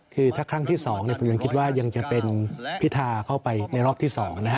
คือถ้าครั้งที่๒ผมยังคิดว่ายังจะเป็นพิธาเข้าไปในรอบที่๒นะฮะ